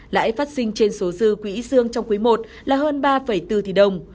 lãi phát sinh trên số dư quỹ sương trong quý i là hơn ba bốn tỷ đồng